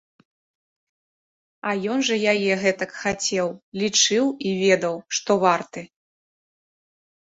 А ён жа яе гэтак хацеў, лічыў і ведаў, што варты.